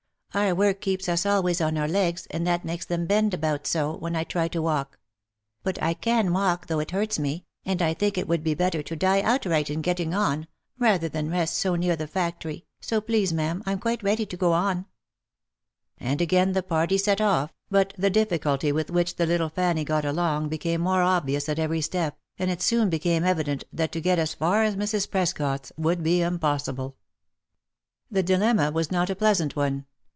Our work keeps us always on our legs, and that makes them bend about so, when I try to walk ; but 1 can walk though it hurts me, and I think it would be better to die outright in getting on, rather than rest so near the factory — so, please ma'am, I'm quite ready to go on." And again the party set off, but the difficulty with which the little Fanny got along became more obvious at every step, and it soon be* came evident that to get as far as Mrs. Prescot's would be impossible. OF MICHAEL ARMSTRONG. 265 The dilemma was not a pleasant one.